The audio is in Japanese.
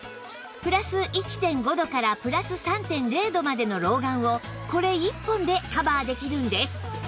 プラス １．５ 度からプラス ３．０ 度までの老眼をこれ１本でカバーできるんです